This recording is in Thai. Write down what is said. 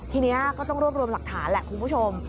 ทีนี้ก็ต้องรวบรวมหลักฐานแหละคุณผู้ชม